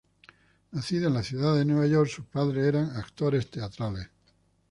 Nacida en la ciudad de Nueva York, sus padres eran actores teatrales.